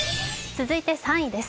続いて３位です。